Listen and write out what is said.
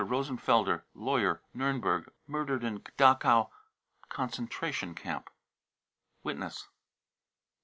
rosenfelder, lawyer, Niirnberg, murdered in Dachau concentration camp. (Witness.)